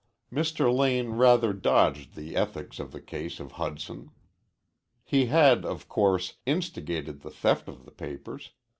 Mr. Lane rather dodged the ethics of the case of Hudson. He had, of course, instigated the theft of the papers.